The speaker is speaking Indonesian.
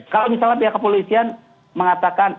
kalau misalnya pihak kepolisian mengatakan